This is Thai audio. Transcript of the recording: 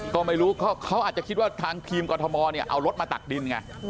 ก็ไม่รู้เขาอาจจะคิดว่าทางทีมกรทมเนี่ยเอารถมาตักดินไง